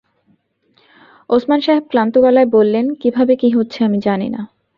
ওসমান সাহেব ক্লান্ত গলায় বললেন, কী ভাবে কী হচ্ছে আমি জানি না।